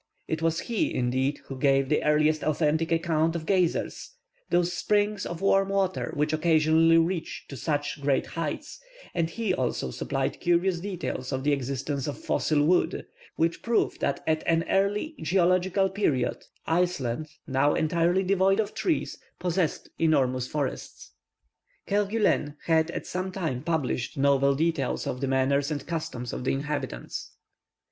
It was he, indeed, who gave the earliest authentic account of "geysers," those springs of warm water which occasionally reach to such great heights, and he also supplied curious details of the existence of fossil wood, which prove that at an early geological period, Iceland, now entirely devoid of trees, possessed enormous forests. Kerguelen had at the same time published novel details of the manners and customs of the inhabitants.